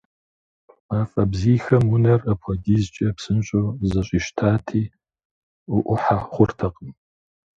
Мафӏэ бзийхэм унэр апхуэдизкӏэ псынщӏэу зэщӏищтати, уӏухьэ хъуртэкъым.